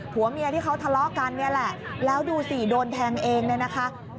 ผัวเมียที่เขาทะเลาะกันเนี่ยแหละแล้วดูสิโดนแทงเองเนี่ยนะคะ